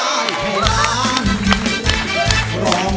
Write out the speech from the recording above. ถ้าพอพูดแบบนี้